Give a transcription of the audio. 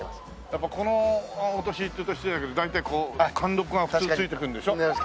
やっぱりこのお年って言うと失礼だけど大体貫禄が普通ついてくるんでしょ？